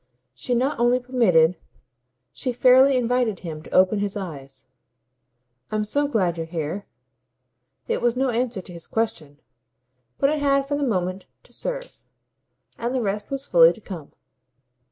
She not only permitted, she fairly invited him to open his eyes. "I'm so glad you're here." It was no answer to his question, but it had for the moment to serve. And the rest was fully to come.